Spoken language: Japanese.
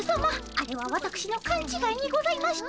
あれはわたくしのかんちがいにございまして。